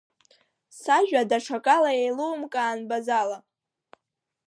Сажәа даҽакала иеилумкаан Базала…